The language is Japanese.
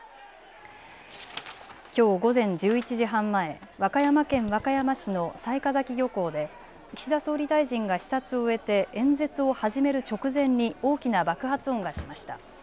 きょう午前１１時半前、和歌山県和歌山市の雑賀崎漁港で岸田総理大臣が視察を終えて演説を始める直前に大きな爆発音がしました。